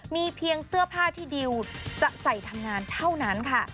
มีเพียงเสื้อผ้าที่ดิวจะใส่ทำงานเท่านั้นค่ะ